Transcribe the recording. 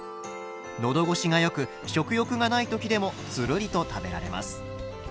喉越しが良く食欲がない時でもつるりと食べられます。